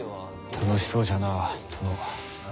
楽しそうじゃなあ殿は。